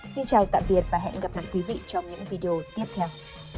xin chào tạm biệt và hẹn gặp lại quý vị trong những video tiếp theo